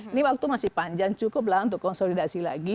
ini waktu masih panjang cukup lah untuk konsolidasi lagi